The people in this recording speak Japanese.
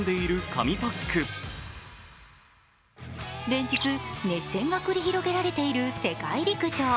連日、熱戦が繰り広げられている世界陸上。